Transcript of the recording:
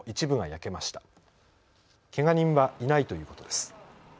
けが人はいないということです。